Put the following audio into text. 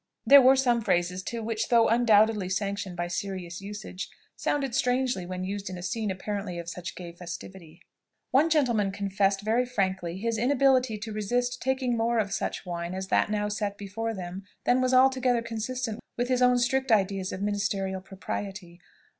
There were some phrases too, which, though undoubtedly sanctioned by serious usage, sounded strangely when used in a scene apparently of such gay festivity. One gentleman confessed very frankly his inability to resist taking more of such wine as that now set before them than was altogether consistent with his own strict ideas of ministerial propriety.